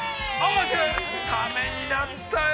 ◆タメになったよ！。